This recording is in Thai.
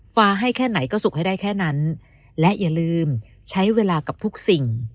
ฟ้าให้แค่ไหนก็สุกให้ได้แค่นั้นและอย่าลืมใช้เวลากับทุกสิ่ง